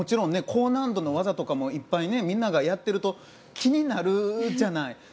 高難度の技とかもいっぱいみんながやっていると気になるじゃない。